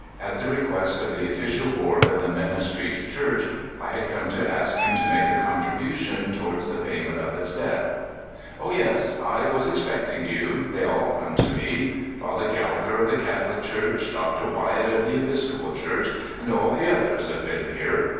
At the request of the official board of the Minna Street Church I had come to ask him to make a contribution toward the pa3'ment of its debt. "O yes; I was expecting you. They all come to me. Father Gallagher, of the CathoHc Church, Dr. Wyatt, of the Episcopal Church, and all the others, have been here.